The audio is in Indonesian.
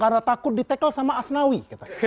karena takut ditekel sama asnawi